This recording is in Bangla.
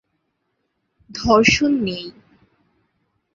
‘ধর্ষণ নেই।’